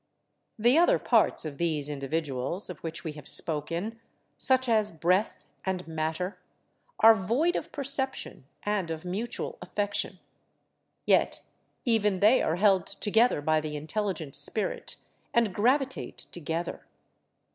The other parts of these individuals of which we have spoken, such as breath and matter, are void of perception and of mutual affection; yet even they are held together by the intelligent spirit and gravitate together.